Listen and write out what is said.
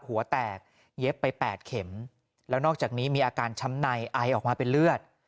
หัวแตกเย็บไป๘เข็มแล้วนอกจากนี้มีอาการช้ำในไอออกมาเป็นเลือด